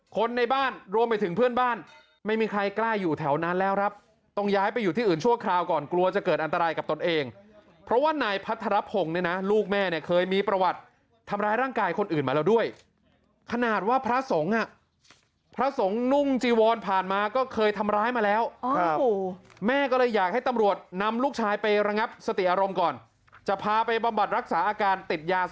คนในบ้านรวมไปถึงเพื่อนบ้านไม่มีใครกล้าอยู่แถวนั้นแล้วครับต้องย้ายไปอยู่ที่อื่นชั่วคราวก่อนกลัวจะเกิดอันตรายกับตนเองเพราะว่านายพัฒนภงเนี่ยนะลูกแม่เนี่ยเคยมีประวัติทำร้ายร่างกายคนอื่นมาแล้วด้วยขนาดว่าพระสงฆ์อ่ะพระสงฆ์นุ่งจีวรผ่านมาก็เคยทำร้ายมาแล้วครับแม่ก็เลยอยากให้ตำรวจนำลูกชาย